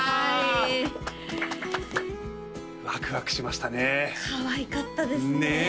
はいワクワクしましたねかわいかったですね